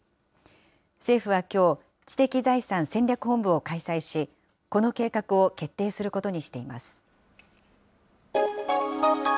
政府はきょう、知的財産戦略本部を開催し、この計画を決定することにしています。